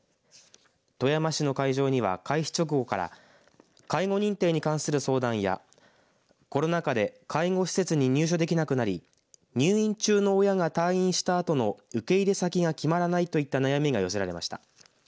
富山市の会場には、開始直後から介護認定に関する相談やコロナ禍で介護施設に入所できなくなり入院中の親が退院したあとの受け入れ先が決まらないといった悩みが寄せられました。